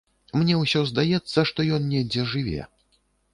Мне ўсё здаецца, што ён недзе жыве.